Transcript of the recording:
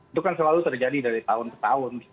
itu kan selalu terjadi dari tahun ke tahun